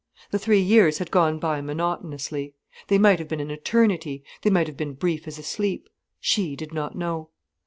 The three years had gone by monotonously. They might have been an eternity, they might have been brief as a sleep. She did not know.